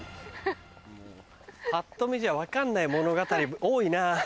ぱっと見じゃ分かんない物語多いな。